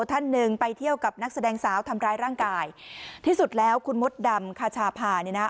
ท่านหนึ่งไปเที่ยวกับนักแสดงสาวทำร้ายร่างกายที่สุดแล้วคุณมดดำคาชาพาเนี่ยนะ